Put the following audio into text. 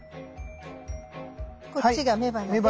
こっちが雌花です。